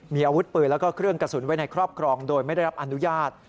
มีอาวุธปืนแล้วก็เครื่องกระสุนไว้ในครอบครองโดยไม่ได้รับอนุญาต